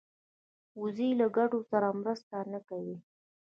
وزې له ګډو سره مرسته نه کوي